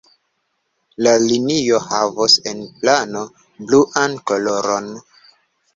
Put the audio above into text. La linio havos en plano bluan koloron.